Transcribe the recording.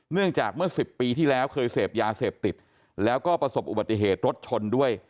เนื่องจากเมื่อ๑๐ปีที่แล้วเคยเสพยาเสพติดแล้วก็ประสบอุบัติเหตุรถชนด้วย